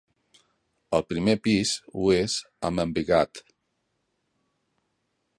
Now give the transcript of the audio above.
El primer pis ho és amb embigat.